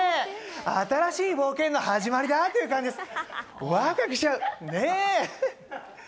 新しい冒険の始まりだ！っていう感じです。